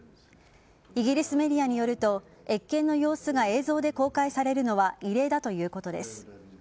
イギリスメディアによると謁見の様子が映像で公開されるのは異例だということです。